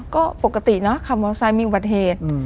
ก็ปกติเนอะขับมอไซค์มีอุบัติเหตุ